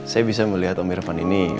saya bisa melihat om irfan ini